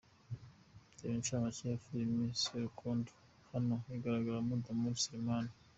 Reba incamake ya Filime Sarukondo hano igaragaramo Damour Seleman.